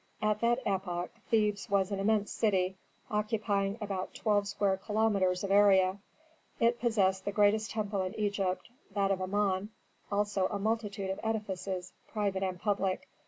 At that epoch Thebes was an immense city occupying about twelve square kilometres of area. It possessed the greatest temple in Egypt: that of Amon, also a multitude of edifices, private and public.